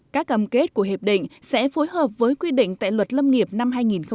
các âm kết của hiệp định sẽ phối hợp với quy định tại luật lâm nghiệp năm hai nghìn một mươi bảy